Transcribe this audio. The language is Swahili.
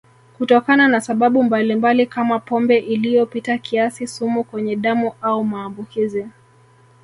Kutokana na sababu mbalimbali kama pombe iliyopita kiasi sumu kwenye damu au maambukizi